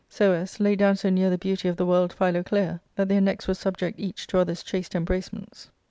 So as, laid down so near the beauty of the world Philoclea that their necks were subject each to other's chaste embracements, ARCADIA.